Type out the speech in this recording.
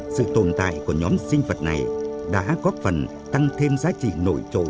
sự tồn tại của nhóm sinh vật này đã góp phần tăng thêm giá trị nổi trội